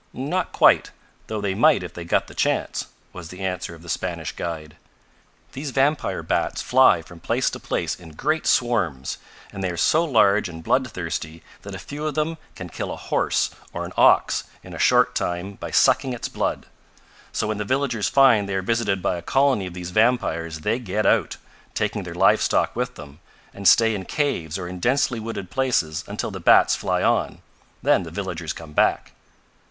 "Not quite. Though they might if they got the chance," was the answer of the Spanish guide. "These vampire bats fly from place to place in great swarms, and they are so large and blood thirsty that a few of them can kill a horse or an ox in a short time by sucking its blood. So when the villagers find they are visited by a colony of these vampires they get out, taking their live stock with them, and stay in caves or in densely wooded places until the bats fly on. Then the villagers come back.